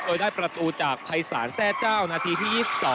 โดยได้ประตูจากภัยศาลแทร่เจ้านาทีที่๒๒